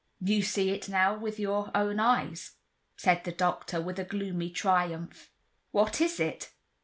"You see it now with your own eyes," said the doctor, with a gloomy triumph. "What is it?"